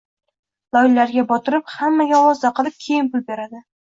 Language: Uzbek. Loylarga botirib, hammaga ovoza qilib, keyin pul beradi.